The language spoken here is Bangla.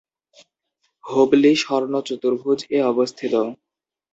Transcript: হুবলি "স্বর্ণ চতুর্ভুজ"-এ অবস্থিত।